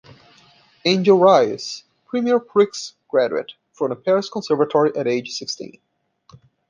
Angel Reyes, Premier Prix graduate from the Paris Conservatory at age sixteen.